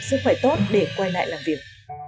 sức khỏe tốt để quay lại làm việc